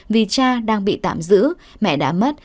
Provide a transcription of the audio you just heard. vì cha đang bị tạm giữ mẹ đã mất